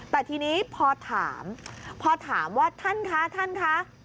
แต่ทีนี้พอถามพอถามว่าท่านคะท่านคะ